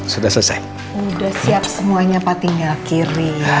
sudah selesai sudah siap semuanya pak tinggal kiri